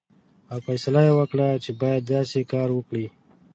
او فیصله یې وکړه چې باید داسې کار وکړي.